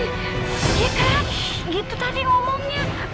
shhh gitu tadi ngomongnya